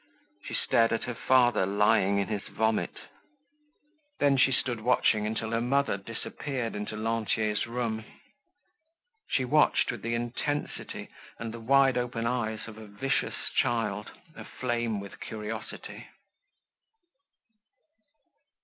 She stared at her father lying in his vomit. Then, she stood watching until her mother disappeared into Lantier's room. She watched with the intensity and the wide open eyes of a vicious child aflame with curiosity.